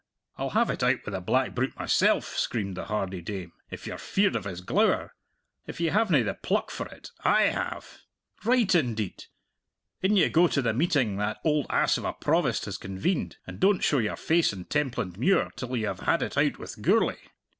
I'll have it out with the black brute myself," screamed the hardy dame, "if you're feared of his glower. If you havena the pluck for it, I have. Write, indeed! In you go to the meeting that oald ass of a Provost has convened, and don't show your face in Templandmuir till you have had it out with Gourlay!"